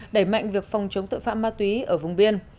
đẩy mạnh việc phòng chống tội phạm ma túy ở vùng biên